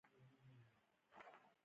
هغه به هر سهار درباریانو ته ډوډۍ ورکوله.